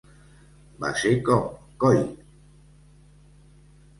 Va ser com: "Coi!".